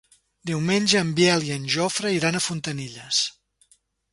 Diumenge en Biel i en Jofre iran a Fontanilles.